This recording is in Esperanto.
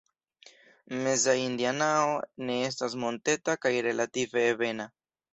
Meza Indianao ne estas monteta kaj relative ebena.